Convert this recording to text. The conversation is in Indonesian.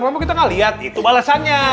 kenapa kita gak lihat itu balasannya